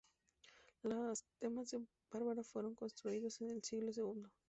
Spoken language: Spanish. Las termas de Bárbara fueron construidos en el siglo segundo.